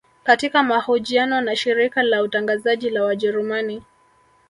Katika mahojiano na shirika la utangazaji la wajerumani